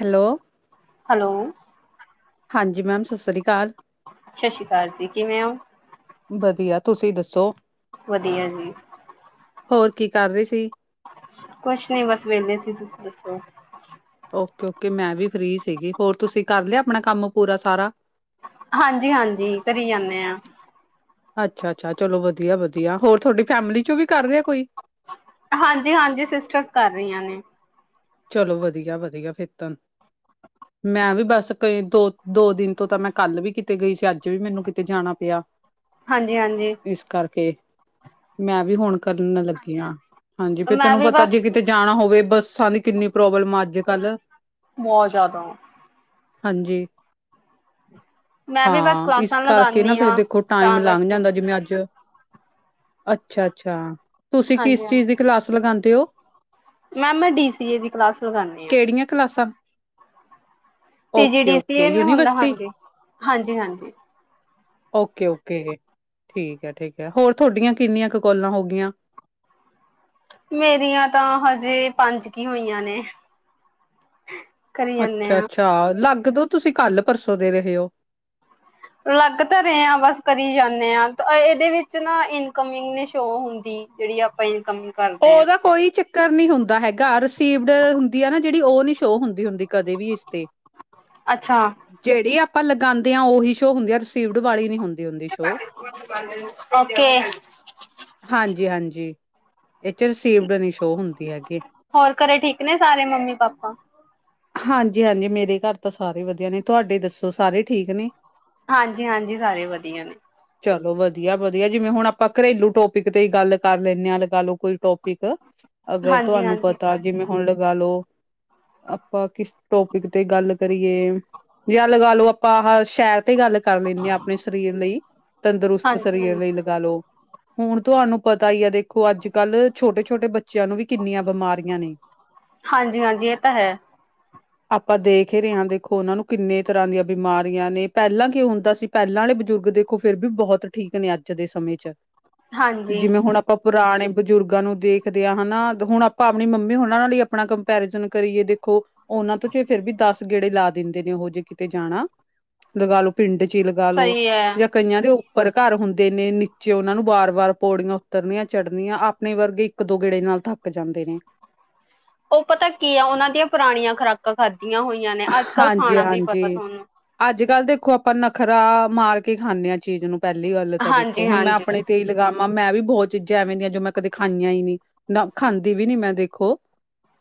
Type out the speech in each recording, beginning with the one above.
Hello, hello ਹਾਂਜੀ, ma'am ਸਤਿ ਸ਼੍ਰੀ ਅਕਾਲ। ਸਤਿ ਸ਼੍ਰੀ ਅਕਾਲ ਜੀ, ਕਿਵੇਂ ਹੋ? ਵਧੀਆ, ਤੁਸੀਂ ਦੱਸੋ ਵਧੀਆ ਜੀ। ਹੋਰ, ਕੀ ਕਰ ਰਹੇ ਸੀ? ਕੁਛ ਨੀ, ਬਸ ਵਿਹਲੇ ਚ ਤੁਸੀਂ ਦੱਸੋ? ਓਕੇ -ਓਕੇ ਮੈਂ ਵੀ ਫਰੀ ਸੀਗੀ, ਹੋਰ ਤੁਸੀਂ ਕਰ ਲਿਆ, ਆਪਣਾ ਕੰਮ ਪੂਰਾ ਸਾਰਾ। ਹਾਂਜੀ -ਹਾਂਜੀ ਕਰੀ ਜਾਂਣੇ ਆ। ਅੱਛਾ -ਅੱਛਾ ਚਲੋ ਵਧੀਆ- ਵਧੀਆ ਹੋਰ, ਤੁਹਾਡੀ ਫੈਮਿਲੀ ਚੋਂ ਵੀ ਕਰ ਰਿਹਾ ਕੋਈ? ਹਾਂਜੀ- ਹਾਂਜੀ ਸਿਸਟਰਸ, ਕਰ ਰਹੀਆਂ ਨੇ। ਚਲੋ, ਵਧੀਆ -ਵਧੀਆ ਫਿਰ ਤਨ ਮੈਂ ਵੀ ਬਸ ਕਈ, ਦੋ -ਦੋ ਦਿਨ ਤੋਂ ਤਾਂ ਮੈਂ ਕੱਲ ਵੀ, ਕਿਤੇ ਗਈ ਸੀ। ਅੱਜ ਵੀ ਮੈਨੂੰ ਕਿਤੇ ਜਾਣਾ ਪਿਆ। [unintelligible] ਹਾਂਜੀ ਹਾਂਜੀ। ਇਸ ਕਰਕੇ, ਮੈਂ ਵੀ ਹੁਣ ਕਰਨ ਲੱਗੀ ਆ, ਹਾਂਜੀ ਫ ਮੈਂ ਤੈਨੂੰ ਵੀ ਪਤਾ ਬਸ ਜੇ ਕਿ ਤੇ ਜਾਣਾ ਹੋਵੇ, ਬੱਸਾਂ ਦੀ ਕਿੰਨੀ ਪ੍ਰੋਬਲਮ ਅੱਜ- ਕੱਲ ਬਹੁਤ ਜ਼ਿਆਦਾ ਹਾਂਜੀ, ਮੈਂ ਵੀ ਬਸ ਹਾਂ, ਇਸ ਕਲਾਸਾਂ ਕਰਕੇ ਨਾ ਲਗਾਉਂਦੀ ਫੇਰ, ਹਾਂ ਦੇਖੋ ਟਾਈਮ ਤਾਂ ਲੰਘ ਕਰਕੇ ਜਾਂਦਾ, ਜਿਵੇਂ ਅੱਜ ਅੱਛਾ -ਅੱਛਾ ਤੁਸੀਂ ਹਾਂਜੀ ਕਿਸ ਹਾਂ ਚੀਜ਼ ਦੀ ਕਲਾਸ, ਲਗਾਉਦੇ ਹੋ? ਮੈਮ, ਮੈਂ ਡੀ ਸੀ ਏ, ਦੀ ਕਲਾਸ ਲਗਾਨੀ ਬੜੀਆਂ ਕਲਾਸਾਂ ਪੀਜੀ ਡੀ ਸੀ, ਓਕੇ-ਓਕੇ ਇਹ ਨੀ ਹੁੰਦਾ, ਯੂਨੀਵਰਸਿਟੀ? ਹਾਂਜੀ, ਹਾਂਜੀ, ਹਾਂਜੀ। ਓਕੇ- ਓਕੇ ਜੇ ਠੀਕ ਹੈ- ਠੀਕ ਹੈ ਹੋਰ ਤੁਹਾਡੀਆਂ, ਕਿੰਨੀਆਂ ਕੁ ਕੋਲਾਂ ਹੋਗੀਆਂ? ਮੇਰੀਆਂ ਤੇ ਹਜੇ ਪੰਜ ਕੀ ਹੋਈਆਂ ਨੇ। ਕਰੀ ਜਾਂਦੇ ਆ ਅੱਛਾ-ਅੱਛਾ ਲੱਗ ਦੋ ਤੁਸੀਂ, ਕੱਲ ਪਰਸੋਂ ਦੇ ਰਹੇ ਹੋ। ਲੱਗ ਤਾਂ ਰਹੇ ਹ ਬਸ ਕਰੀ ਜਾਂਦੇ ਆ, ਇਹਦੇ ਵਿੱਚ ਨਾ ਇਨਕਮ ਨਈ ਸ਼ੋਅ ਹੁੰਦੀ। ਜਿਹੜੀ, ਆਪਾਂ ਇਨਕਮ ਉਹਦਾ, ਕੋਈ ਚੱਕਰ ਨਹੀਂੀ ਹੁੰਦਾ ਹੈਗਾ, ਰਸੀਵਡ ਹੁੰਦੀ ਹੈ ਨਾ ਜਿਹੜੀ, ਉਹ ਨਈ ਸ਼ੋ ਹੁੰਦੀ-ਹੁੰਦੀ ਕਦੇ ਵੀ ਇਸ ਤੇ ਅੱਛਾ ਜਿਹੜੀ ਆਪਾਂ ਲਗਾਉਂਦੇ ਹਾਂ, ਉਹੀ ਸ਼ੋਅ ਹੁੰਦੀ ਆ, ਰਸੀਵਡ ਵਾਲੀ ਨੀ ਹੁੰਦੀ। ਹੁੰਦੀ ਸ਼ੋਅ। ਓਕੇ। [inaudible] ਹਾਂਜੀ-ਹਾਂਜੀ। ਇਹ 'ਚ ਰਿਸੀਵਡ ਨੀ ਸ਼ੋਅ ਹੁੰਦੀ ਹੈਗੀ। ਹੋਰ ਘਰੇ ਠੀਕ ਨੇ ਸਾਰੇ ਮੰਮੀ ਪਾਪਾ? ਹਾਂਜੀ-ਹਾਂਜੀ ਮੇਰੇ ਘਰ ਤਾਂ ਸਾਰੇ ਵਧੀਆ ਨੇ, ਤੁਹਾਡੇ ਦੱਸੋ ਸਾਰੇ ਠੀਕ ਨੇ? ਹਾਂਜੀ-ਹਾਂਜੀ, ਸਾਰੇ ਵਧੀਆ ਨੇ। ਚਲੋ ਵਧੀਆ-ਵਧੀਆ, ਜਿਵੇਂ ਹੁਣ ਆਪਾਂ ਘਰੇਲੂ ਟੋਪਿਕ ਤੇ ਹੀ ਗੱਲ ਕਰ ਲੈਂਨੇ ਆਂ। ਲਾ ਲੋ ਕੋਈ ਟੋਪਿਕ ਅਗਰ ਹਾਂਜੀ ਤੁਹਾਨੂੰ ਹਾਂਜੀ ਪਤਾ ਜਿਵੇਂ ਹੁਣ ਲਗਾ ਲੋ, ਆਪਾਂ ਕਿਸ ਟੋਪਿਕ ਤੇ ਗੱਲ ਕਰੀਏ ਯਾ ਲਗਾ ਲਓ ਆਪਾਂ ਆ ਸ਼ਹਿਰ ਤੇ ਗੱਲ ਕਰ ਲੈਂਨੇ ਆਂ ਅਪਨੇ ਸਰੀਰ ਲਈ, ਤੰਦਰੁਸਤ ਹਾਂਜੀ ਹਾਂਜੀ ਸਰੀਰ ਲਈ। ਲੱਗਾ ਲੋ ਹੁਣ ਤੁਹਾਨੂੰ ਪਤਾ ਈ ਏ ਦੇਖੋ ਅੱਜ-ਕੱਲ੍ਹ ਛੋਟੇ-ਛੋਟੇ ਬਚ ਬੱਚਿਆਂ ਨੂੰ ਵੀ ਕਿੰਨੀਆਂ ਬਿਮਾਰੀਆਂ ਨੇ। ਹਾਂਜੀ-ਹਾਂਜੀ ਏ ਤਾ ਹੈ। ਹਾਂ। ਆਪਾਂ ਦੇਖ ਹੀ ਰਹੇ ਹਾਂ, ਦੇਖੋ ਉਹਨਾਂ ਨੂੰ ਕਿੰਨੇ ਤਰ੍ਹਾਂ ਦੀਆਂ ਬਿਮਾਰੀਆਂ ਨੇ, ਪਹਿਲਾਂ ਕੀ ਹੁੰਦਾ ਸੀ ਪਹਿਲਾਂ ਵਾਲੇ ਬਜ਼ੁਰਗ ਦੇਖੋ ਫਿਰ ਵੀ ਬੋਤ ਠੀਕ ਨੇ ਅੱਜ ਦੇ ਸਮੇਂ 'ਚ ਹਾਂਜੀ ਜਿਵੇਂ ਹੁਣ ਆਪਾਂ ਪੁਰਾਣੇ ਬਜ਼ੁਰਗਾਂ ਨੂੰ ਦੇਖਦੇ ਹਾਂ, ਹਨਾ ਹੁਣ ਆਪਾਂ ਆਪਣੀ ਮੰਮੀ ਹਣਾ ਨਾਲ ਹੀ ਆਪਣਾ ਕੰਪੈਰੀਜ਼ਨ ਕਰੀਏ ਦੇਖੋ। ਓਨਾਂ ਤੋਂ 'ਚ ਫੇਰ ਵੀ ਦਸ ਗੇੜੇ ਲਾ ਦਿੰਦੇ ਨੇ ਓ ਜੇ ਕਿਤੇ ਜਾਣਾ। ਲੱਗਾ ਲੋ ਪਿੰਡ 'ਚ ਈ ਲਗਾ ਲੋ ਸਹੀ ਹੈ ਯਾ ਕਈਆਂ ਦੇ ਉੱਪਰ ਘਰ ਹੁੰਦੇ ਨੇ, ਨੀਚੇ ਓਨਾਂ ਨੂੰ ਬਾਰ-ਬਾਰ ਪੌੜੀਆਂ ਉਤਰਨੀਆਂ ਚੜ੍ਹਨੀਆਂ ਆਪਣੇ ਵਰਗੇ ਇੱਕ ਦੋ ਗੇੜੇ ਨਾਲ ਥੱਕ ਜਾਂਦੇ ਨੇ। ਉਹ ਪਤਾ ਕੀ ਆ ਉਹਨਾਂ ਦੀਆਂ ਪੁਰਾਣੀਆਂ ਖੁਰਾਕਾਂ ਖਾਧੀਆਂ ਹੋਈਆਂ ਨੇ, ਅੱਜ-ਕੱਲ੍ਹ ਖਾਣਾ ਵੀ ਪਤਾ ਤੁਹਾਨੂੰ। ਅੱਜ-ਕੱਲ੍ਹ ਦੇਖੋ ਆਪਾਂ ਨਖਰਾ ਮਾਰ ਕੇ ਖਾਂਦੇ ਆਂ ਚੀਜ਼ ਨੂੰ। ਪਹਿਲੀ ਗੱਲ ਤਾਂ ਦੇਖੋ ਹਾਂਜੀ ਹੁਣ ਮੈਂ ਹਾਂਜੀ ਆਪਣੇ ਤੇ ਈ ਲੱਗਾ ਮੈਂ ਵੀ ਬੋਤ ਚੀਜ਼ਾਂ ਐਵੇਂ ਦੀਆਂ ਜੋ ਮੈਂ ਕਦੇ ਖਾਈਆਂ ਹੀ ਨੀ, ਨਾ ਖਾਂਦੀ ਵੀ ਨੀ ਮੈਂ ਦੇਖੋ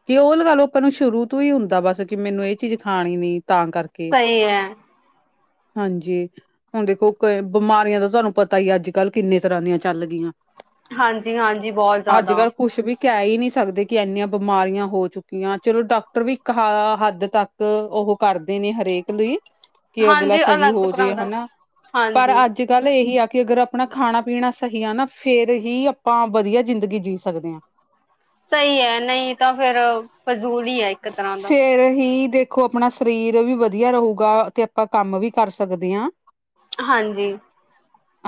ਕਿ ਉਹ ਲਗਾ ਲੋ ਆਪਾਂ ਨੂੰ ਸ਼ੁਰੂ ਤੋਂ ਹੀ ਹੁੰਦਾ ਬਸ ਕਿ ਮੈਨੂੰ ਏ ਚੀਜ਼ ਖਾਣੀ ਨੀ ਤਾਂ ਕਰਕੇ, ਸਹੀ ਹੈ ਹਾਂਜੀ। ਹੁਣ ਦੇਖੋ ਕੋਈ ਬਿਮਾਰੀਆਂ ਦਾ ਤੁਹਾਨੂੰ ਪਤਾ ਹੀ ਅੱਜ-ਕੱਲ੍ਹ ਕਿੰਨੇ ਤਰ੍ਹਾਂ ਦੀਆਂ ਚੱਲ ਗਈਆਂ। ਹਾਂਜੀ-ਹਾਂਜੀ, ਬੋਤ ਅੱਜ ਜਾਦਾ। ਕੱਲ੍ਹ ਕੁਛ ਵੀ ਕਹਿ ਹੀ ਨੀ ਸਕਦੇ ਕਿ ਏਨੀਆਂ ਬਿਮਾਰੀਆਂ ਹੋ ਚੁੱਕੀਆਂ ਚਲੋ ਡਾਕਟਰ ਵੀ ਇੱਕ ਹੱਦ ਤੱਕ ਉਹ ਕਰਦੇ ਨੇ ਹਰੇਕ ਲਈ ਕਿ ਅਗਲਾ ਹਾਂਜੀ ਸਹੀ ਅਲੱਗ ਹੋ ਤਰ੍ਹਾਂ ਜੇ ਦਾ ਹਨਾ, ਪਰ ਹਾਂਜੀ ਅੱਜ ਅੱਜ-ਕੱਲ ਇਹੀ ਆ ਕਿ ਅਗਰ ਆਪਣਾ ਖਾਣਾ ਪੀਣਾ ਸਹੀ ਆ ਨਾ, ਫਿਰ ਹੀ ਆਪਾਂ ਵਧੀਆ ਜ਼ਿੰਦਗੀ ਜੀ ਸਕਦੇ ਆਂ। ਸਈ ਐ, ਨਈ ਤਾਂ ਫੇਰ ਫਜ਼ੂਲ ਹੀ ਐ ਇੱਕ ਤਰ੍ਹਾਂ ਦਾ। [unintelligible] ਦੇਖ ਦੇਖੋ ਅਪਨਾ ਸਰੀਰ ਵੀ ਵਧੀਆ ਰਹੂਗਾ ਤੇ ਆਪਾਂ ਕੰਮ ਵੀ ਕਰ ਸਕਦੇ ਆਂ। ਹਾਂਜੀ।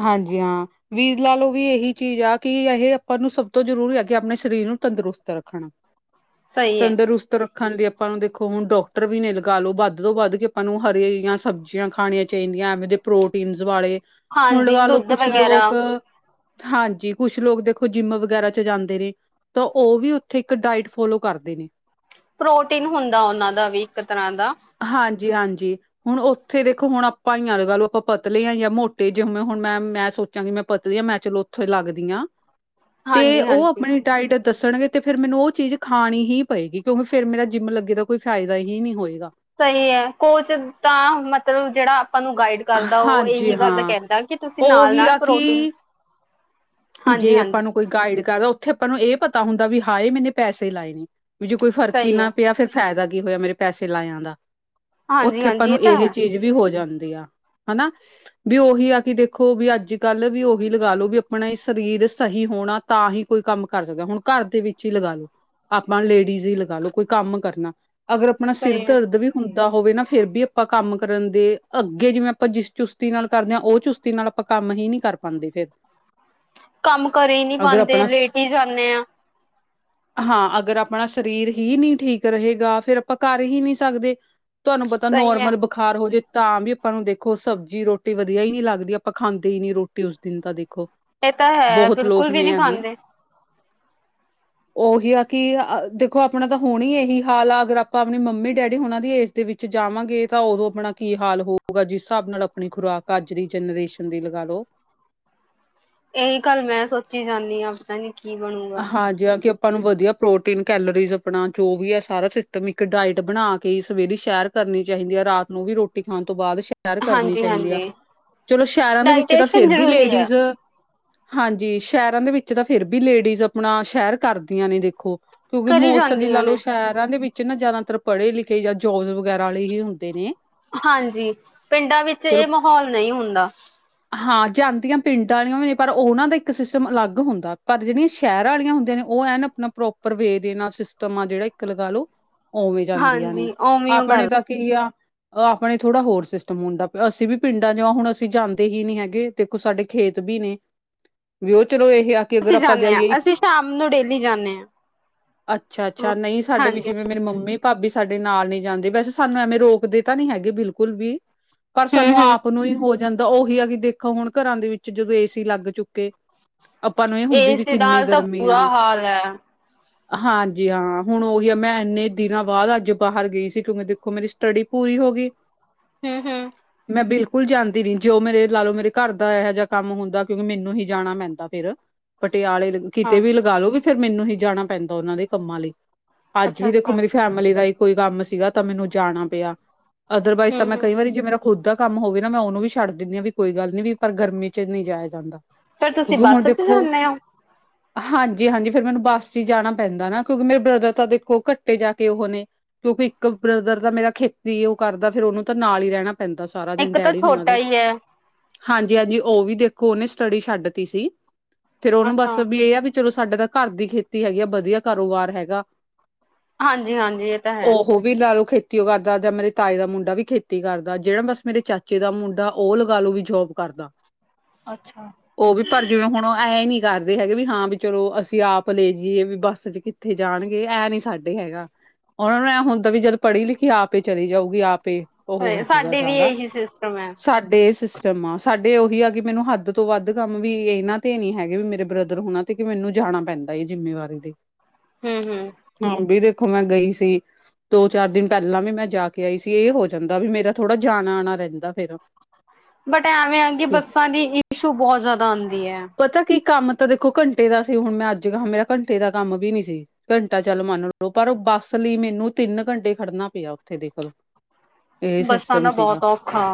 ਹਾਂਜੀ ਹਾਂ। ਵੀਰ ਲਾ ਲੋ ਵੀ ਏਹੀ ਚੀਜ਼ ਆ ਕਿ ਇਹ ਆਪਾਂ ਨੂੰ ਸਭ ਤੋਂ ਜ਼ਰੂਰੀ ਅੱਗੇ ਅਪਨੇ ਸਰੀਰ ਨੂੰ ਤੰਦਰੁਸਤ ਰੱਖਣਾ। ਸਹੀ ਹੈ ਤੰਦਰੁਸਤ ਰੱਖਣ ਦੀ ਆਪਾਂ ਨੂੰ ਦੇਖੋ ਹੁਣ ਡਾਕ ਪਰ ਵੀ ਲਗਾ ਲੋ ਵੱਧ ਤੋਂ ਵੱਧ ਕੇ ਆਪਾਂ ਨੂੰ ਹਰੇਆਂ ਸਬਜ਼ੀਆਂ ਖਾਣੀਆਂ ਚਾਹੀਦੀਆਂ ਐਵੇਂ ਦੇ ਪ੍ਰੋਟੀਨ ਵਾਲੇ ਹੁਣ ਹਾਂਜੀ ਲਗਾ ਲੋ ਦੁੱਧ ਕੁਛ ਵਗੈਰਾ ਲੋਕ ਹਾਂਜੀ ਕੁਛ ਲੋਕ ਦੇਖੋ ਜਿੰਮ ਵਗੈਰਾ 'ਚ ਜਾਂਦੇ ਨੇ। ਤੋਂ ਉਹ ਵੀ ਉੱਥੇ ਇੱਕ ਡਾਇਟ ਫੋਲੋ ਕਰਦੇ ਨੇ। ਪ੍ਰੋਟੀਨ ਹੁੰਦਾ ਉਨਾਂ ਦਾ ਵੀ ਇੱਕ ਤਰ੍ਹਾਂ ਦਾ। ਹਾਂਜੀ-ਹਾਂਜੀ। ਹੁਣ ਓਥੇ ਦੇਖੋ ਹੁਣ ਆਪਾਂ ਈ ਆ ਲੱਗਾ ਲੋ, ਆਪਾਂ ਪਤਲੇ ਆਂ ਯਾ ਮੋਟੇ ਜਿਵੇਂ ਹੁਣ ਮੈਂ, ਮੈਂ ਸੋਚ ਚਾਂਗੀ ਮੈਂ ਪਤਲੀ ਆਂ, ਮੈਂ ਚਲੋ ਓਥੋਂ ਈ ਲੱਗਦੀ ਆਂ ਤੇ ਹਾਂਜੀ ਓ ਹਾਂਜੀ ਆਪਣੇ ਡਾਇਟ ਦੱਸਣਗੇ ਤੇ ਫਿਰ ਮੈਨੂੰ ਓ ਚੀਜ਼ ਖਾਣੀ ਹੀ ਪਏਗੀ ਕਿਉਂਕਿ ਫੇਰ ਮੇਰਾ ਜਿੰਮ ਲੱਗੇ ਦਾ, ਕੋਈ ਫਾਇਦਾ ਹੀ ਨੀ ਹੋਏਗਾ। ਸਹੀ ਹੈ, ਕੁਛ ਤਾਂ ਮਤਲਬ ਜੇੜਾ ਆਪਾਂ ਨੂੰ ਗਾਈਡ ਕਾੱਲ ਦਾ ਓ ਹਾਂਜੀ ਏਹੀ ਗਾੱਲ ਹਾਂ ਕੈਂਦਾ ਕਿ ਤੂਸੀ ਨਾਲ, ਉਹੀ ਨਾਲ ਆ ਪ੍ਰੋਟੀਨ ਕਿ ਹਾਂਜੀ ਜੇ ਅਪਾਂ ਹਾਂਜੀ ਨੂੰ ਕੋਈ ਗਾਈਡ ਕਾਰ, ਓਥੇ ਅਪਾਂ ਨੂੰ ਏ ਪਤਾ ਹੁੰਦਾ ਵੀ ਹਾਏ ਮੈਨੇ ਪੈਸੇ ਲਾਏ ਨੇ। ਵੀ ਜੇ ਕੋਈ ਫ਼ਰਕ ਈ ਸਹੀ ਨਾ ਹੈ ਪੇਆ, ਫੇਰ ਫੈਦਾ ਕੀ ਹੋਏਆ ਮੇਰੇ ਪੈਸੇ ਲਾਏਆਂ ਦਾ। ਹਾਂਜੀ ਓਥੇ ਅਪਾਂ ਹਾਂਜੀ ਨੂੰ ਇਹ ਤਾਂ ਏਹ ਹੈ ਚੀਜ ਵੀ ਹੋ ਜਾਂਦੀ ਆ, ਹਨਾ। ਬੀ ਓਹੀ ਆ ਕੇ ਦੇਖੋ, ਵੀ ਅੱਜ-ਕੱਲ, ਵੀ ਓਹੀ ਲਗਾਲੋ, ਵੀ ਅਪਣਾ ਇਸ ਸਰੀਰ ਸਹੀ ਹੋਣਾ ਤਾਂ ਹੀ ਕੋਈ ਕਾੰਮ ਕਾਰ ਸਕਦਾ, ਹੁਣ ਘਾਰ ਦੇ ਵਿੱਚ ਈ ਲਗਾ ਲੋ। ਆਪਾਂ ਲੇਡੀਜ਼ ਹੀ ਲਗਾ ਲੋ, ਕੋਈ ਕਾੰਮ ਕਰਨਾ, ਅਗਰ ਅਪਣਾ ਸਿਰ ਸਹੀ ਹੈ ਦਰਦ ਵੀ ਹੁੰਦਾ ਹੋਵੇ ਨਾ ਫੇਰ ਵੀ ਅਪਾਂ ਕਾੰਮ ਕਰਨ ਦੇ, ਅੱਗੇ ਜਿਵੇਂ ਅਪਾਂ ਜਿਸ ਚੁਸਤੀ ਨਾਲ ਕਾਰਦੇ ਆਂ, ਓ ਚੁਸਤੀ ਤੇ ਨਾਲ ਅਪਾਂ ਕਾੰਮ ਹੀ ਨੀ ਕਾਰ ਪਾਂਦੇ ਫੇਰ। ਕਾੰਮ ਕਰ ਈ ਨੀ ਅਗਰ ਪਾਂਦੇ ਆਪਣਾ ਲੇਟ ਈ ਜਾਂਨੇ ਆਂ। [inaudible] ਹਾਂ, ਅਗਰ ਅਪਣਾ ਸਰੀਰ ਹੀ ਨੀ ਠੀਕ ਰਹੇਗਾ ਫੇਰ ਅਪਾਂ ਕਾਰ ਹੀ ਨੀ ਸਕਦੇ। ਤੂਆਨੂੰ ਪਤਾ ਸਹੀ ਹੈ ਨੋਰਮਲ ਬ ਬੁਖਾਰ ਹੋ ਜੇ ਤਾਂ ਵੀ ਅਪਾਂ ਨੂੰ ਦੇਖੋ ਸਬਜੀ, ਰੋਟੀ ਵਦੀਆ ਈ ਨੀ ਲਾਗਦੀ ਅਪਾਂ ਖਾਂਦੇ ਈ ਨੀ ਰੋਟੀ ਉਸ ਦਿਨ ਤਾਂ ਦੇਖੋ। ਇਹ ਤਾਂ ਹੈ ਬੋਹਤ ਲੋਕ ਬਿਲਕੁਲ ਵੀ ਨੇ ਨਹੀਂ ਐਂਵੇਂ ਖਾਂਦੇ ਓਹੀ ਆ ਕਿ ਦੇਖੋ ਆਪਣਾ ਤਾਂ ਹੋਣੀ ਏਹੀ ਹਾਲ ਆ ਅਗਰ ਆਪਾਂ ਆਪਨੀ ਮੰਮੀ, ਡੈਡੀ ਹੋਣਾ ਦੀ ਏਜ ਦੇ ਵਿੱਚ ਜਾਵਾਂਗੇ ਤਾਂ ਓਦੋਂ ਅਪਣਾ ਕੀ ਹਾਲ ਹੋਊਗਾ, ਜਿਸ ਸ੍ਹਾਬ ਨਾਲ ਅਪਣੀ ਖੁਰਾਕ, ਆੱਜ ਦੀ ਜਨਰੇਸ਼ਨ ਦੀ ਲਗਾ ਲੋ। ਏਹੀ ਗਾੱਲ ਮੈਂ ਸੋਚੀ ਜਾਂਨੀ ਆਂ। ਪਤਾ ਨੀ ਕੀ ਬਣੂ। ਹਾਂਜੀ ਆਕੇ ਅਪਾਂ ਨੂੰ ਵਦੀਆ ਪ੍ਰੋਟੀਨ ਕੈਲਰੀਜ਼ ਅਪਣਾ ਜੋ ਵੀ ਹੈ, ਸਾਰਾ ਸਿਸਟਮ ਇੱਕ ਡਾਇਟ ਬਣਾ ਕੇ ਸਵੇਰੇ ਸੈ਼ਰ ਕਰਨੀ ਚਾਹੀਦੀ ਐ, ਰਾਤ ਨੂੰ ਵੀ ਰੋਟੀ ਖਾਨ ਤੋਂ ਬਾਦ ਮੈ਼ ਸੈ਼ਰ ਕਰਨੀ ਹਾਂਜੀ ਚਾਹੀਦੀ ਹਾਂਜੀ ਆ, ਚਲੋ ਸੈ਼ਹਰਾਂ ਦੇ ਵਿੱਚ ਤਾਂ ਡਾਇਟੇਸ਼ਨ ਫੇਰ ਬੀ ਜ਼ਰੂਰੀ ਹੈ ਲੇਡੀਜ਼ ਹਾਂਜੀ, ਸੈ਼ਹਰਾਂ ਦੇ ਵਿੱਚ ਤਾਂ ਫੇਰ ਬੀ ਲੇਡੀਜ਼ ਅਪਣਾ ਸੈ਼ਰ ਕਰਦੀਆਂ ਨੇ ਦੇਖੋ ਕਿਉਂਕਿ ਕਰੀ ਮੋਸੱਲੀ ਲਾ ਜਾਂਦੀਆਂ ਲੋ ਨੇ ਸੈ਼ਹਰਾਂ ਦੇ ਵਿੱਚ ਚ ਨਾ ਜਾਦਾਤਰ ਪੜੇ ਲਿਖੇ ਯਾ ਜੋਵ ਵਗੈਰਾ ਅਲੇ ਈ ਹੁੰਦੇ ਨੇ ਹਾਂਜੀ, ਪਿੰਡਾਂ ਵਿੱਚ ਚਲੋ ਏ ਮਹੌਲ ਨਹੀਂ ਹੁੰਦਾ। ਹਾਂ ਜਾਂਦੀਆਂ ਪਿੰਡਾਂ ਆਲੀਆਂ ਵੀ ਨੇ, ਪਰ ਓਨਾਂ ਦੇ ਇੱਕ ਸਿਸਟਮ ਅਲੱਗ ਹੁੰਦਾ, ਪਰ ਜੇੜੀਆਂ ਸੈ਼ਹਰਾਂ ਆਲੀਆਂ ਹੁੰਦੀਆਂ ਨੇ ਓ ਐਨ ਅਪਨਾ ਪ੍ਰੋਪਰ ਵੇ ਦੇ ਨਾਲ ਸਿਸਟਮ ਆ ਜੇੜਾ ਇੱਕ ਲਗਾ ਲੋ, ਓਵੇਂ ਜਾਂਦੀਆਂ ਨੇ, ਹਾਂਜੀ ਉਵੇਂ ਉਹ ਆਪਣੇ ਕਰ ਤਾਂ ਕੀ ਆ ਆਪਣੇ ਥੋੜਾ ਹੋਰ ਸਿਸਟਮ ਹੁੰਦਾ, ਅਸੀ ਵੀ ਪਿੰਡਾਂ ਚ ਆਂ ਹੁਣ ਅਸੀਂ ਜਾਂਦੇ ਦੇ ਹੀ ਨੀ ਹੈਗੇ, ਦੇਖੋ ਸਾਡੇ ਖੇਤ ਵੀ ਨੇ, ਵੀ ਓ ਚਲੋ ਏਹ ਆ ਕਿ ਅਗਰ ਅਸੀਂ ਅਪਾਂ ਜਾਂਦੇ ਹਾਂ ਜਾਈਏ ਅਸੀਂ ਇੱਕ, [inaudible] ਸ਼ਾਮ ਨੂੰ ਡੇਲੀ ਜਾਂਦੇ ਅੱਛਾ, ਹਾਂ ਅੱਛਾ ਨਹੀਂ ਸਾਡੇ ਵਿੱਚ ਹਾਂਜੀ ਜਿਵੇਂ ਮੇਰੀ ਮੰਮੀ ਭਾਬੀ ਸਾਡੇ ਨਾਲ ਨੀ ਜਾਂਦੇ, ਵੈਸੇ ਸਾਨੂੰ ਐਵੇਂ ਰੋਕਦੇ ਤਾ ਨੀ ਹੈਗੇ ਬਿਲਕੁਲ ਵੀ ਪਰ ਹਮ ਸਾਨੂੰ ਹਮ ਆਪ ਨੂੰ ਈ ਤਾਂ ਓਹੀ ਆ ਕਿ ਦੇਖਾਂ ਹੁਣ ਘਰਾਂ ਦੇ ਵਿੱਚ ਜਦੋਂ ਏ ਸੀ ਲਾੱਗ ਚੁੱਕੇ। ਅਪਾਂ ਨੂੰ ਏ ਹੁੰਦੀ ਵੀ ਇਸ ਕਿੰਨੀ ਨਾਲ ਤਾਂ ਗਰਮੀ ਬੁਰਾ ਆ। ਹਾਲ ਹੈ ਹਾਂਜੀ, ਹਾਂ ਹੁਣ ਓਹੀ ਐ, ਮੈਂ ਐਨੇ ਦਿਨਾਂ ਬਾਦ ਆੱਜ ਬਾਹਰ ਗਈ ਸੀ ਕਿਉਂਕਿ ਦੇਖੋ ਮੇਰੀ ਸਟਡੀ ਪੂਰੀ ਹੋ ਗੀ। ਹੂੰ, ਹੂੰ। ਮੈਂ ਬਿਲਕੁਲ ਜਾਂਦੀ ਰੀ। ਜੋ ਮੇਰੇ ਲਾ ਲੋ ਮੇਰੇ ਘਾਰ ਦਾ ਐਹ ਜਾ ਕਾੰਮ ਹੁੰਦਾ ਕਿਉਂਕਿ ਮੈਨੂੰ ਹੀ ਜਾਣਾ ਪੈਂਦਾ ਫੇਰ ਪਟਿਆਲੇ ਦੇ ਕਿਤੇ ਹਾਂ ਵੀ ਲਗਾਲੋ ਵੀ ਫੇਰ ਮੈਨੂੰ ਹੀ ਜਾਣਾ ਪੈਂਦਾ ਓਨਾਂ ਦੇ ਕੰਮਾਂ ਲਈ ਆੱਜ ਅੱਛਾ ਵੀ ਦੇਖੋ ਅੱਛਾ ਮੇਰੀ ਫੈਮਿਲੀ ਦਾ ਈ ਕੋਈ ਕਾੰਮ ਸੀਗਾ ਤਾਂ ਮੈਨੂੰ ਜਾਣਾ ਪੇਆ, ਅਦਰਵਾਈਜ਼ ਤਾਂ ਹਮ ਮੈਂ ਹਮ ਕਈ ਵਾਰੀ ਜੇ ਮੇਰਾ ਖੁਦ ਦਾ ਕਾੰਮ ਹੋਵੇ ਨਾ ਮੈਂ ਓਨੂੰ ਵੀ ਮਾ਼ੱਡ ਦੇਨੀ ਆ ਵੀ ਕੋਈ ਗਾੱਲ ਨੀ ਵੀ ਪਰ ਗਰਮੀ ਚ ਨਹੀ ਜਾਏਆ ਜਾਂਦਾ। ਫਿਰ ਤੁਸੀਂ ਕਿਉਕਿ ਹੁਣ ਬੱਸ ਚ ਦੇਖੋ ਜਾਂਦੇ ਹੋ ਹਾਂਜੀ, ਹਾਂਜੀ ਫੇਰ ਮੈਨੂੰ ਬਾੱਸ ਚੀ ਜਾਣਾ ਪੈਂਦਾ ਨਾ ਕਿਉਂਕਿ ਮੇਰੇ ਬ੍ਰਦਰ ਤਾਂ ਦੇਖੋ ਘੱਟੇ ਜਾ ਕੇ ਓਹ ਨੇ। ਕਿਉਂਕਿ ਇੱਕ ਬ੍ਰਦਰ ਦਾ ਮੇਰਾ ਖੇਤੀ ਓ ਕਾਰਦਾ, ਫੇਰ ਓਹਨੂੰ ਤਾਂ ਨਾਲ ਈ ਰੈਣਾ ਪੈਂਦਾ ਸਾਰਾ ਦਿਨ ਇੱਕ ਤਾਂ ਡੈਡੀ ਹੁਨਾਂ ਛੋਟਾ ਦੇ। ਹੀ ਹੈ ਹਾਂਜੀ, ਹਾਂਜੀ ਓ ਵੀ ਦੇਖੋ ਓਨੇ ਸਟੱਡੀ ਛੱਡਤੀ ਸੀ, ਫੇਰ ਓਨੂੰ ਅੱਛਾ ਬਾੱਸ ਬੀ ਏ ਐ ਵੀ ਚਲੋ ਸਾਡੇ ਤਾਂ ਘਾਰ ਦੀ ਖੇਤੀ ਹੈਗੀ ਆ, ਬਦੀਆ ਕਾਰੋਬਾਰ ਹੈਗਾ। ਹਾਂਜੀ, ਹਾਂਜੀ ਏ ਤਾ ਹੈ। ਉਹ ਵੀ ਲਾ ਲਓ ਖੇਤੀ ਕਰਦਾ ਜਾਂ ਮੇਰੇ ਤਾਈ ਦਾ ਮੁੰਡਾ ਵੀ ਖੇਤੀ ਕਰਦਾ। ਜਿਹੜਾ ਬਸ ਮੇਰੇ ਚਾਚੇ ਦਾ ਮੁੰਡਾ। ਉਹ ਲੱਗਾ ਲੋ ਵੀ ਜੋਬ ਕਰਦਾ। ਅੱਛਾ। ਉਹ ਵੀ ਪਰ ਜਿਵੇਂ ਹੁਣ ਐ ਹੀ ਨਹੀਂ ਕਰਦੇ ਹੈਗੇ ਵੀ ਹਾਂ ਵੀ ਚਲੋ ਅਸੀਂ ਆਪ ਲੈ ਜਾਈਏ ਵੀ ਬੱਸ ਚ ਕਿ। ਇੱਥੇ ਜਾਣਗੇ ਇਹ ਨਹੀਂ ਸਾਡੇ ਹੈਗਾ‌। ਉਹਨਾਂ ਨੂੰ ਐਂ ਹੁੰਦਾ ਵੀ ਜਦ ਪੜ੍ਹੀ ਲਿਖੀ ਆਪੇ ਚੱਲੀ ਜਾਊਗੀ ਆਪੇ। ਉਹ ਹਾਏ ਹੋਜੂਗਾ ਸਾਡੇ ਵੀ ਸਾਰਾ ਇਹੀ ਸਿਸਟਮ ਹੈ। ਸਾਡੇ ਇਹ ਸਿਸਟਮ ਆ ਸਾਡੇ ਉਹੀ ਆ ਕਿ ਮੈਨੂੰ ਹੱਦ ਤੋਂ ਵੱਧ ਕੰਮ ਵੀ ਇਹਨਾਂ ਤੇ ਨਹੀਂ ਹੈਗੇ ਵੀ ਮੇਰੇ ਬ੍ਰਦਰ ਹੁਣਾ। ਤੇ ਕਿ ਮੈਨੂੰ ਜਾਣਾ ਪੈਂਦਾ ਹੈ ਜਿੰਮੇਵਾਰੀ ਦੇ। ਹਮ ਹਮ। ਹਾਂਜੀ ਦੇਖੋ ਮੈਂ ਗਈ ਸੀ। ਦੋ ਚਾਰ ਦਿਨ ਪਹਿਲਾਂ ਵੀ ਮੈਂ ਜਾ ਕੇ ਆਈ ਸੀ ਇਹ ਹੋ ਜਾਂਦਾ ਵੀ ਮੇਰਾ ਥੋੜ੍ਹਾ ਜਾਣਾ ਆਉਣਾ ਰਹਿੰਦਾ ਫਿਰ। ਬਟ ਐਵੇਂ ਆ ਕਿ ਬੱਸਾਂ ਦੀ ਇਚੂ ਬਹੋਤ ਜ਼ਿਆਦਾ ਆਉਂਦੀ ਹੈ। ਪਤਾ ਕਿ ਕੰਮ ਤਾਂ ਦੇਖੋ ਘੰਟੇ ਦਾ ਸੀ ਹੁਣ ਮੈਂ ਅੱਜ ਮੇਰਾ ਘੰਟੇ ਦਾ ਕੰਮ ਵੀ ਨੀ ਸੀ। ਘੰਟਾ ਚੱਲ ਮੰਨ ਲੋ ਪਰ ਬੱਸ ਲਈ ਮੈਨੂੰ ਤਿੰਨ ਘੰਟੇ ਖੜਨਾ ਪਿਆ ਉੱਥੇ ਦੇਖਲੋ। [inaudible] ਬੱਸਾਂ ਦਾ ਬਹੋਤ ਔਖਾ।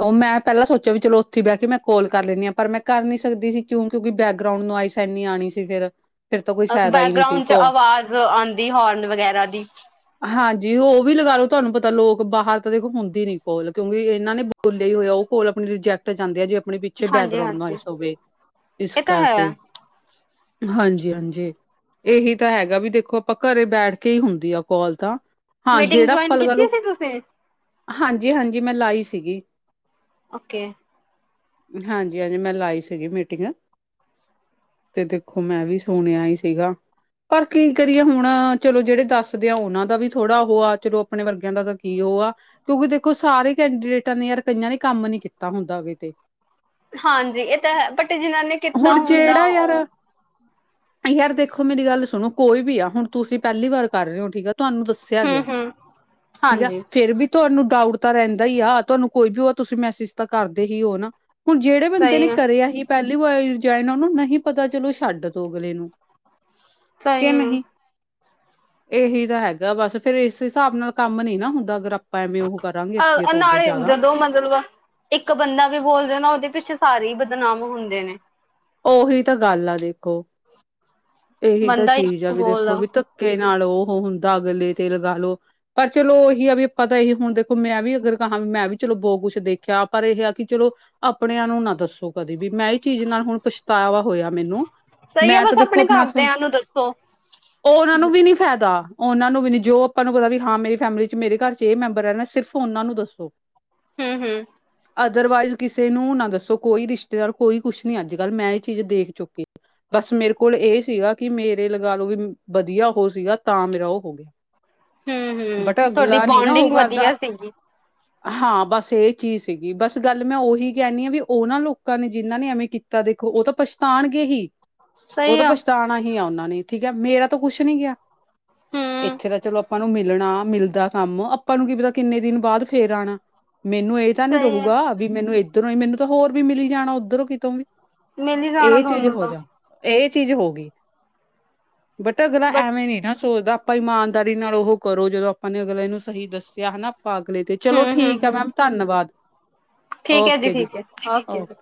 ਉਹ ਮੈਂ ਪਹਿਲਾਂ ਸੋਚਿਆ ਵੀ ਚਲੋ ਉੱਥੇ ਬਹਿ ਕੇ ਮੈਂ ਕੋਲ ਕਰ ਲੈਂਦੀ ਹਾਂ ਪਰ ਮੈਂ ਕਰ ਨੀ ਸਕਦੀ ਸੀ ਕਿਉਂਕਿ ਬੈਕਗਰਾਊਂਡ ਨੋਆਏਸ ਸੀ। ਇਹ ਨਿਆਣੀ ਸੀ ਫਿਰ। ਫਿਰ ਤਾਂ ਕੋਈ ਫਾਇਦਾ ਹੀ ਨਹੀਂ ਸੀ ਬੈਕਗਰਾਉਂਡ ਚ ਕੋ ਆਵਾਜ਼ ਆਉਂਦੀ ਹੋਰਨ ਵਗੈਰਾ ਦੀ। ਹਾਂਜੀ ਉਹ ਵੀ ਲੱਗਾ ਲਓ ਤੁਹਾਨੂੰ ਪਤਾ ਲੋਕ ਬਾਹਰ ਤਾਂ ਦੇਖ ਹੁੰਦੀ ਨੀ ਪੋਲ ਕਿਉਂਕਿ ਇਹਨਾਂ ਨੇ। ਬੋਲੇਆ ਹੋਇਆ ਉਹ ਕੋਲ ਆਪਣੀ ਰਿਜੈਕਟ। ਜਾਂਦੇ ਆ ਜੇ ਆਪਣੇ ਪਿੱਛੇ ਹਾਂਜੀ ਬੈਕਗਰਾਊਂਡ ਨੂੰ ਹਾਂਜੀ ਨਾਈਸ ਹੋਵੇ ਇਸ ਇਹ ਤਾਂ ਹੈ ਕਰਕੇ। ਹਾਂਜੀ ਹਾਂਜੀ। ਇਹੀ ਤਾਂ ਹੈਗਾ ਵੀ ਦੇਖੋ ਆਪਾਂ ਘਰੇ ਬੈਠ ਕੇ ਹੀ ਹੁੰਦੀ ਆ ਕੋਲ ਤਾਂ। ਹਾਂ ਮੀਟਿੰਗ ਜਿਹੜਾ ਆਪ ਜੁਆਇਨ ਲਗਾ ਲਓ ਕੀਤੀ ਸੀ ਤੁਸੀਂ ਹਾਂਜੀ ਹਾਂਜੀ ਮੈਂ ਲਾਈ ਸੀਗੀ। ਓਕੇ। ਹਾਂਜੀ ਹਾਂਜੀ ਮੈਂ ਲਾਈ ਸੀਗੀ ਮੀਟਿੰਗ। ਤੇ ਦੇਖੋ ਮੈਂ ਵੀ ਸੁਣਿਆ ਹੀ ਸੀਗਾ ਪਰ ਕੀ ਕਰੀਏ ਹੁਣ ਚਲੋ ਜਿਹੜੇ ਦੱਸਦੇ ਆ ਉਹਨਾਂ ਦਾ ਵੀ ਥੋੜ੍ਹਾ ਉਹ ਆ ਚਲੋ ਆਪਣੇ ਵਰਗਿਆਂ ਦਾ ਤਾਂ ਕੀ ਉਹ ਆ। ਕਿਉਂਕਿ ਦੇਖੋ ਸਾਰੇ ਕੈਂਡੀਡੇਟਾਂ ਨੇ ਯਾਰ ਕਈਆਂ ਨੇ ਕੰਮ ਨੀ ਕੀਤਾ ਹੁੰਦਾ ਅਵੇ ਤੇ। ਹਾਂਜੀ ਇਹ ਤਾਂ ਹੈ ਬਟ ਜਿਹਨਾਂ ਨੇ ਕੀਤਾ ਹੁਣ ਹੁੰਦਾ ਜਿਹੜਾ ਯਾਰ ਉਹ। ਯਾਰ ਦੇਖੋ ਮੇਰੀ ਗੱਲ ਸੁਣੋ ਕੋਈ ਵੀ ਆ ਹੁਣ ਤੁਸੀਂ ਪਹਿਲੀ ਵਾਰ ਕਰ ਰਹੇ ਹੋ ਠੀਕ ਆ ਤੁਹਾਨੂੰ ਦੱਸ। ਦੱਸਿਆ ਹਮ ਗਿਆ ਹਮ ਠੀਕ ਹੈ। ਹਾਂਜੀ ਫੇਰ ਵੀ ਤੁਹਾਨੂੰ ਡਾਊਟ ਤਾਂ ਰਹਿੰਦਾ ਹੀ ਆ ਤੁਹਾਨੂੰ। ਕੋਈ ਵੀ ਉਹ ਤੁਸੀਂ ਮੈਸੇਜ ਤਾਂ ਕਰਦੇ ਹੀ ਹੋ ਨਾ ਹੁਣ ਜਿਹੜੇ ਬੰਦੇ ਸਹੀ ਨੇ ਹੈ ਕਰਿਆ ਹੀ ਪਹਿਲੀ ਵਾਰ ਜਾਇਨ ਉਹਨੂੰ ਨਹੀਂ ਪਤਾ ਚਲੋ ਛੱਡ ਤੋਂ ਅਗਲੇ ਨੂੰ। ਸਹੀ ਕਹਿ ਹੈ ਨਹੀ। ਇਹੀ ਤਾਂ ਹੈਗਾ ਬਸ ਫਿਰ ਇਸ ਹਿਸਾਬ ਨਾਲ ਕੰਮ ਨੀ ਨਾ ਹੁੰਦਾ ਅਗਰ ਆਪਾ। ਭਾਵੇਂ ਉਹ ਕਰਾਂਗੇ ਅੱਗੇ ਤੋਂ ਅੱਗੇ ਜ਼ਿਆਦਾ। ਉਹ ਮਤਲਬ ਵਾ। ਇੱਕ ਬੰਦਾ ਵੀ ਬੋਲਦਾ ਨਾ ਉਹਦੇ ਪਿੱਛੇ ਸਾਰੇ ਹੀ ਬਦਨਾਮ ਹੁੰਦੇ ਨੇ। ਉਹੀ ਤਾਂ ਗੱਲ ਆ ਦੇਖੋ। ਇਹੀ ਤਾਂ ਬੰਦਾ ਚੀਜ਼ ਆ ਇੱਕ ਵੀ ਦੇਖੋ ਬੋਲਦਾ ਵੀ ਧੱਕੇ ਨਾਲ ਉਹ ਹੁੰਦਾ ਅਗਲੇ ਤੇ ਲਗਾ ਲਓ। ਪਰ ਚਲੋ ਇਹੀ ਆ ਵੀ ਆਪਾਂ ਤਾਂ ਇਹੀ ਹੁਣ ਦੇਖੋ ਮੈਂ ਵੀ ਅਗਰ ਕਹਾਂ ਵੀ ਮੈਂ ਵੀ ਚਲੋ ਬਹੁਤ ਕੁਛ ਦੇਖਿਆ ਪਰ ਇਹ ਆ ਕਿ ਚਲੋ। ਆਪਣਿਆਂ ਨੂੰ ਨਾ ਦੱਸੋ ਕਦੇ ਵੀ ਮੈਂ ਹੀ ਚੀਜ਼ ਨਾਲ ਹੁਣ ਪਛਤਾਵਾ ਹੋਇਆ ਮੈਨੂੰ ਸਹੀ ਹੈ ਮੈਂ ਤਾਂ ਬਸ ਦੇਖੋ। ਖੋ ਆਪਣੇ ਆਪਣਾ ਘਰਦਿਆਂ ਨੂੰ ਦੱਸੋ ਉਹ ਉਹਨਾਂ ਨੂੰ ਵੀ ਨੀ। ਫਾਇਦਾ ਉਹਨਾਂ ਨੂੰ ਵੀ ਨੀ ਜੋ ਆਪਾਂ ਨੂੰ ਪਤਾ ਵੀ ਹਾਂ ਮੇਰੀ ਫੈਮਿਲੀ ਚ ਮੇਰੇ ਘਰ ਚ ਇਹ ਮੈਂਬਰ ਰਹਿਣਾ ਸਿਰਫ ਉਹਨਾਂ ਨੂੰ ਦੱਸੋ। ਹਮ ਹਮ। ਅਦਰਵਾਈਜ਼ ਕਿਸੇ ਨੂੰ ਨਾ ਦੱਸੋ ਕੋਈ ਰਿਸ਼ਤੇਦਾਰ ਕੋਈ ਕੁਛ ਨੀ ਅੱਜ ਕੱਲ ਮੈਂ ਇਹ ਚੀਜ਼ ਦੇਖ ਚੁੱਕੀ ਬਸ ਮੇਰੇ ਕੋਲ ਕੋਲ ਇਹ ਸੀਗਾ ਕਿ ਮੇਰੇ ਲਗਾ ਲਓ ਵੀ ਵਧੀਆ ਹੋ ਸੀਗਾ ਤਾਂ ਮੇਰਾ ਉਹ ਹੋ ਗਿਆ। ਹੂੰ ਹੂੰ ਬਟਾ ਤੁਹਾਡੀ ਅਗਲਾ ਨੀ ਨਾ ਉਹ ਬੋਂਡਿੰਗ ਕਰਦਾ ਵਧੀਆ ਸੀਗੀ ਹਾਂ ਬਸ ਇਹ ਚੀਜ਼ ਸੀਗੀ ਬਸ ਗੱਲ ਮੈਂ ਉਹੀ ਕਹਿਣੀ ਹਾਂ ਵੀ ਉਹਨਾਂ ਲੋਕਾਂ ਨੇ ਜਿਹਨਾਂ ਨੇ ਐਵੇਂ ਤਾਂ ਦੇਖੋ ਉਹ ਤਾਂ ਪਛਤਾਣਗੇ ਹੀ ਉਹ ਸਹੀ ਤਾਂ ਆ ਪਛਤਾਣਾ ਹੀ ਆ ਉਹਨਾਂ ਨੇ ਠੀਕ ਹੈ ਮੇਰਾ ਤਾਂ ਕੁੱਛ ਨੀ ਗਿਆ। ਹੂੰ ਇੱਥੇ ਤਾਂ ਚਲੋ ਆਪਾਂ ਨੂੰ ਮਿਲਣਾ ਮਿਲਦਾ ਕੰਮ ਆਪਾਂ ਨੂੰ ਕੀ ਪਤਾ ਕਿੰਨੇ ਦਿਨ ਬਾਅਦ ਫੇਰ ਆਉਣਾ ਮੈਨੂੰ ਇਹ ਤਾਂ ਨੀ ਸਹੀ ਹੈ ਰਹੇਗਾ ਵੀ ਮੈਨੂੰ ਇਏਧਰੋਂ ਹੀ ਮੈਨੂੰ ਤਾਂ ਹੋਰ ਵੀ ਮਿਲੀ ਜਾਣਾ ਉੱਧਰੋਂ ਕਿਤੋਂ ਵੀ ਮਿਲ ਹੀ ਜਾਣਾ ਇਹ ਚੀਜ਼ ਤੁਹਾਨੂੰ ਹੋ ਤਾਂ ਜਾ ਇਹ ਚੀਜ਼ ਹੋ ਗਈ ਬਟ ਅਗਲਾ ਬਟ ਐਵੇਂ ਨ ਨਾ ਸੋਚਦਾ ਆਪਾਂ ਇਮਾਨਦਾਰੀ ਨਾਲ ਉਹ ਕਰੋ ਜਦੋਂ ਆਪਾਂ ਨੇ ਅਗਲੇ ਨੂੰ ਸਹੀ ਦੱਸਿਆ ਹਨਾ ਆਪਾਂ ਅਗਲੇ ਤੇ ਚਲੋ ਹੂੰ ਹੂੰ ਠੀਕ ਹੈ ਹੂੰ ਮੈਮ ਧੰਨਵਾਦ। ਠੀਕ ਹੈ ਜੀ ਠੀਕ ਹੈ ਓਕੇ ਓ ਜੀ।